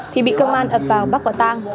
thì bị công an ập vào bắt quả tang